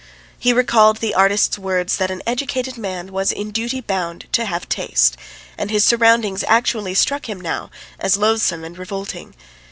He recalled the artist's words that an educated man was in duty bound to have taste, and his surroundings actually struck him now as loathsome and revolting.